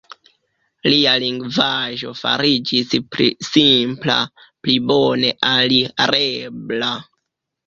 Lia lingvaĵo fariĝis pli simpla, pli bone alirebla.